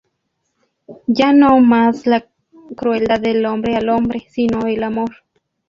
Ya no mas la crueldad del hombre al hombre, si no el amor.